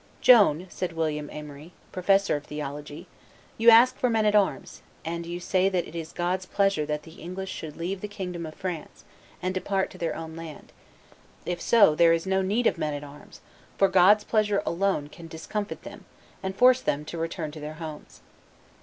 "Joan," said William Aimery, professor of theology, "you ask for men at arms, and you say that it is God's pleasure that the English should leave the kingdom of France, and depart to their own land; if so, there is no need of men at arms, for God's pleasure alone can discomfit them, and force them to return to their homes."